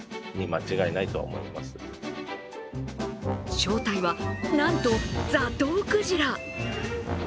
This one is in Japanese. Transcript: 正体は、なんとザトウクジラ。